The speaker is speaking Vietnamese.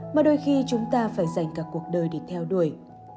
mà đôi khi chúng ta phải dành cả cuộc đời để theo đuổi